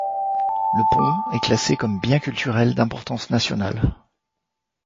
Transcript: Le pont est classé comme bien culturel d'importance nationale.